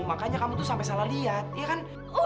mungkin karena kamu tuh terlalu kangen sama ibu kamu